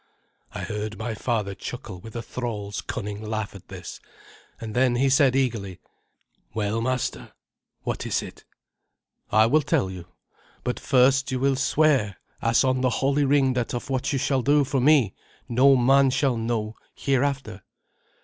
I heard my father chuckle with a thrall's cunning laugh at this, and then he said eagerly, "Well, master, what is it?" "I will tell you. But first will you swear as on the holy ring that of what you shall do for me no man shall know hereafter?"